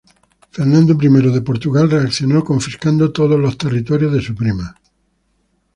Fernando I de Portugal reaccionó confiscando todos los territorios de su prima.